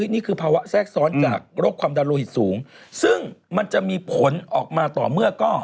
นี่คือภาวะแทรกซ้อนจากโรคความดันโลหิตสูงซึ่งมันจะมีผลออกมาต่อเมื่อก็